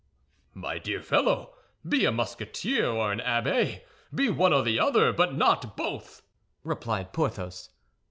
"My dear fellow, be a Musketeer or an abbé. Be one or the other, but not both," replied Porthos.